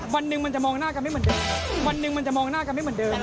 วันหนึ่งมันจะมองหน้ากันไม่เหมือนเดิม